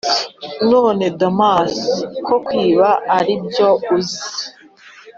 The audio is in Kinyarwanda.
nonese damas, ko kwiba aribyo nzi,